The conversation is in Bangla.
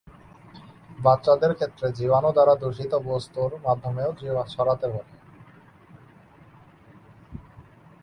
বাচ্চাদের ক্ষেত্রে জীবাণু দ্বারা দূষিত বস্তুর মাধ্যমেও ছড়াতে পারে।